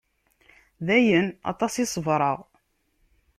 D ayen, aṭas i ṣebreɣ.